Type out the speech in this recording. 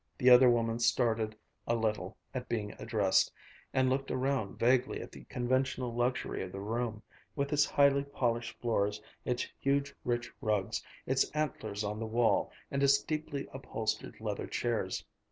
The other woman started a little at being addressed, and looked around vaguely at the conventional luxury of the room, with its highly polished floors, its huge rich rugs, its antlers on the wall, and its deeply upholstered leather chairs.